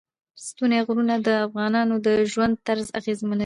ستوني غرونه د افغانانو د ژوند طرز اغېزمنوي.